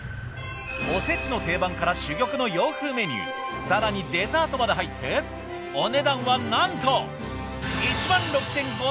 おせちの定番から珠玉の洋風メニュー更にデザートまで入ってお値段はなんと。